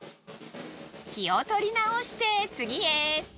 気を取り直して次へ。